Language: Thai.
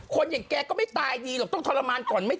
อย่างแกก็ไม่ตายดีหรอกต้องทรมานก่อน